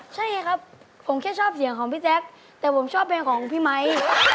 ใช่ครับผมแค่ชอบเสียงของพี่แจ๊คแต่ผมชอบเพลงของพี่ไมค์